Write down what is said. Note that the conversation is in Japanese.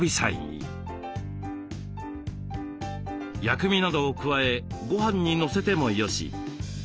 薬味などを加えごはんにのせてもよし。